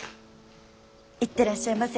行ってらっしゃいませ。